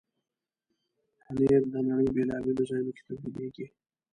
پنېر د نړۍ بیلابیلو ځایونو کې تولیدېږي.